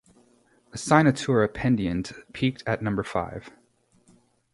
"Asignatura Pendiente" peaked at number five.